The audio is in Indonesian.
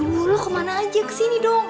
halo mil aduh lo kemana aja kesini dong